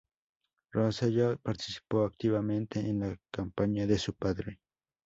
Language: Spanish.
Rosselló participó activamente en la campaña de su padre.